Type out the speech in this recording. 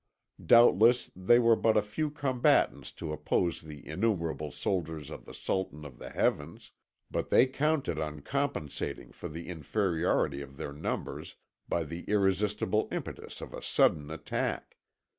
Doubtless they were but a few combatants to oppose the innumerable soldiers of the sultan of the heavens; but they counted on compensating for the inferiority of their numbers by the irresistible impetus of a sudden attack.